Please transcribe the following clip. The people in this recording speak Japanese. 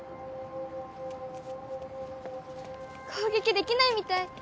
攻撃できないみたい。